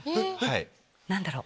何だろう？